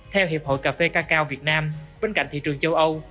theo hiệp hội cà phê cà cao việt nam bên cạnh thị trường châu âu